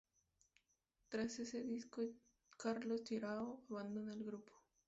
Tras este disco Carlos Guirao abandona el grupo.